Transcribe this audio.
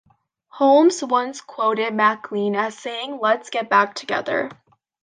Holmes once quoted MacLean as saying, Let's get back together.